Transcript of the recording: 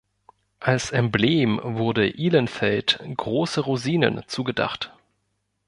Als Emblem wurde Ihlenfeld "große Rosinen" zugedacht.